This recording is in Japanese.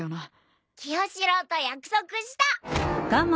清司郎と約束した！